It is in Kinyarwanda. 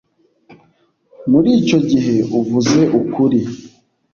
muri icyo gihe, uvuze ukuri